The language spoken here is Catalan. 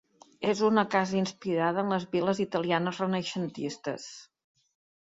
És una casa inspirada en les viles italianes renaixentistes.